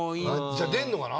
じゃあ出るのかな？